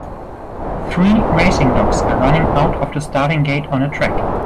Three racing dogs are running out of the starting gate on a track.